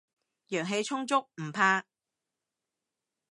陽氣充足，唔怕